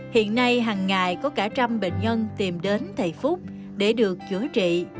hiện nay hằng ngày có cả trăm bệnh nhân tìm đến thầy phúc để được chữa trị